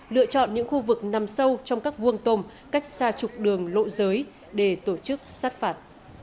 lựa chọn những khu vực nằm sâu trong các vuông tôm cách xa chục đường lộ giới để tổ chức sát phạt